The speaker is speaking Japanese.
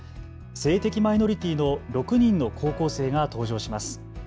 性的マイノリティーの６人の高校生が登場します。